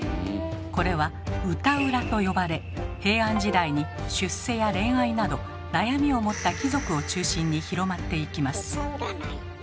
これは「歌占」と呼ばれ平安時代に出世や恋愛など悩みを持った貴族を中心に広まっていきます。